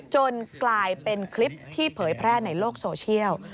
จนกลายเป็นคลิปที่เผยแพร่ในโลกโซเชียล